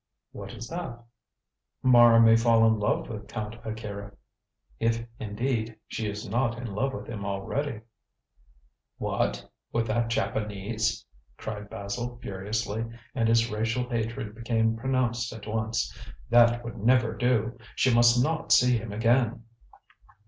"What is that?" "Mara may fall in love with Count Akira, if, indeed, she is not in love with him already." "What! with that Japanese?" cried Basil furiously, and his racial hatred became pronounced at once. "That would never do. She must not see him again."